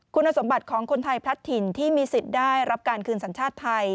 คุณสมบัติของคนไทยพลัดถิ่นที่มีสิทธิ์ได้รับการคืนสัญชาติไทย